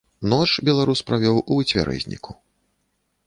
Ноч беларус правёў у выцвярэзніку.